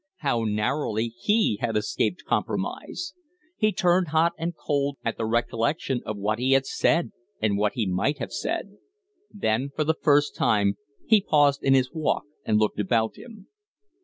How narrowly he had escaped compromise! He turned hot and cold at the recollection of what he had said and what he might have said. Then for the first time he paused in his walk and looked about him.